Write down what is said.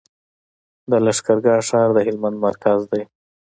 د لښکرګاه ښار د هلمند مرکز دی